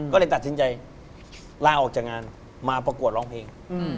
ก็เลยตัดสินใจลาออกจากงานมาประกวดร้องเพลง